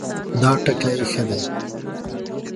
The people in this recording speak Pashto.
دا ټکی ښه دی